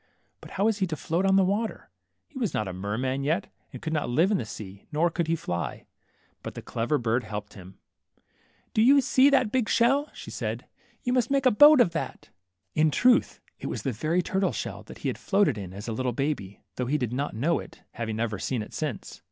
But how was he to float on the water ? He was not a merman yet, and could not live in the sea, nor could he fly. But the clever bird helped him. ^^Do you see 12 THE MERMAID, that big shell?'' she said; jou must make a boat of that." In truths it was the very turtle shell that he had floated in as a little baby, though he did not know it, having never seen it since.